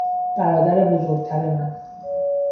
برادر بزرگتر من